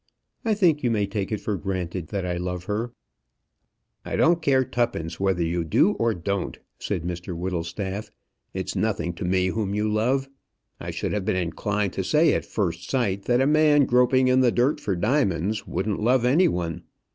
I think you may take it for granted that I love her." "I don't care twopence whether you do or don't," said Mr Whittlestaff. "It's nothing to me whom you love. I should have been inclined to say at first sight that a man groping in the dirt for diamonds wouldn't love any one.